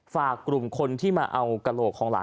ฝากกลุ่มคนที่มาเอากระโหลกของหลาน